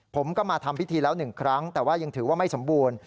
ผมก็มาทำพิธีแล้ว๑ครั้งแต่ว่ายังถือว่าไม่สมบูรณ์